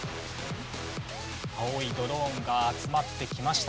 青いドローンが集まってきました。